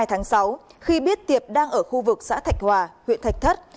hai mươi hai tháng sáu khi biết tiệp đang ở khu vực xã thạch hòa huyện thạch thất